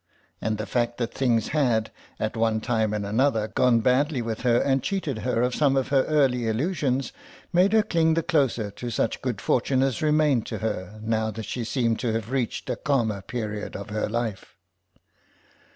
And the fact that things had, at one time and another, gone badly with her and cheated her of some of her early illusions made her cling the closer to such good fortune as remained to her now that she seemed to have reached a calmer period of her life.